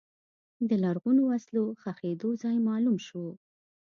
د لرغونو وسلو ښخېدو ځای معلوم شو.